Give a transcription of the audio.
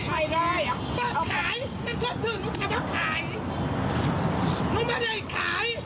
ไม่ได้มาขายมันก็คือหนูกำลักขายหนูไม่ได้ขาย